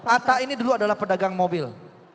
atta ini dulu adalah pedagang mobil